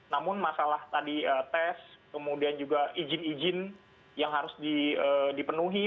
namun masalah tadi tes kemudian juga izin izin yang harus dipenuhi